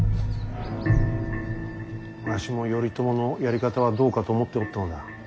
わしも頼朝のやり方はどうかと思っておったのだ。